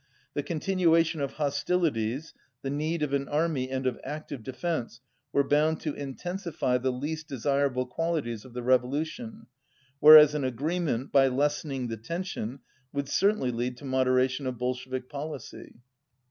The continuation of hostilities, the need of an army and of active defence were bound to inten sify the least desirable qualities of the revolution, whereas an agreement, by lessening the tension, would certainly lead to moderation of Bolshevik policy.